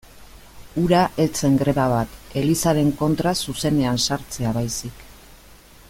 Hura ez zen greba bat, Elizaren kontra zuzenean sartzea baizik.